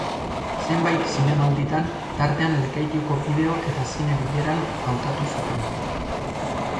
Zenbait zinemalditan, tartean Lekeitioko Bideo eta Zine Bileran, hautatu zuten.